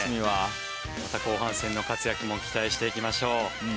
また後半戦の活躍も期待していきましょう。